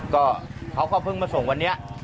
ก็เขาก็เพิ่งมาส่งวันนี้